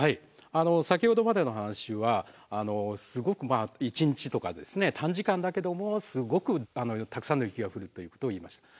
先ほどまでの話はすごく１日とか短時間だけどもすごくたくさんの雪が降るということを言いました。